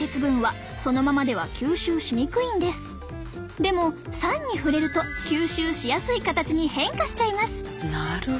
実はでも酸に触れると吸収しやすい形に変化しちゃいます！